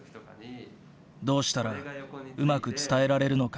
どうしたらうまく伝えられるのか。